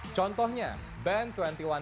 contohnya band dua puluh satu pilots yang naik ke sini